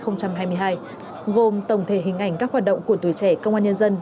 nhiệm kỳ hai nghìn một mươi bảy hai nghìn hai mươi hai gồm tổng thể hình ảnh các hoạt động của tuổi trẻ công an nhân dân